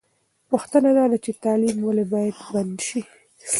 پوښتنه دا ده چې تعلیم ولې باید بند سي؟